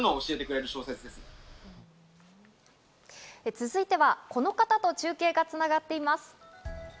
続いては、この方と中継が繋がっています。